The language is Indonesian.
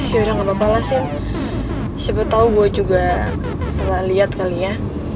yaudah gapapa lah sin siapa tau gue juga salah liat kali ya